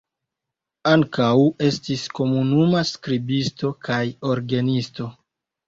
Ankaŭ estis komunuma skribisto kaj orgenisto.